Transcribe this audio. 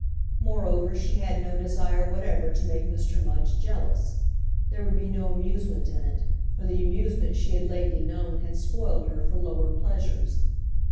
Moreover she had no desire whatever to make Mr. Mudge jealous; there would be no amusement in it, for the amusement she had lately known had spoiled her for lower pleasures.